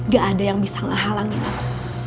gak ada yang bisa menghalangi aku